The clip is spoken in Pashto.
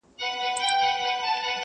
• قلم هلته پاچا دی او کتاب پکښي وزیر دی,